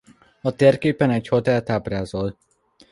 A térképen egy hotelt ábrázol.